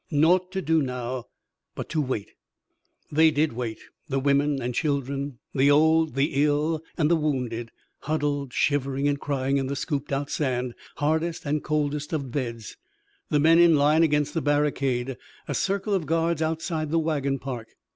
Naught to do now but to wait. They did wait the women and children, the old, the ill and the wounded huddled shivering and crying in the scooped out sand, hardest and coldest of beds; the men in line against the barricade, a circle of guards outside the wagon park.